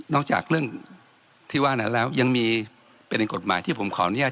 จากเรื่องที่ว่านั้นแล้วยังมีเป็นกฎหมายที่ผมขออนุญาต